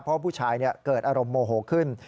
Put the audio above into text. เพราะผู้ชายเกิดอารมณ์โมโหขึ้น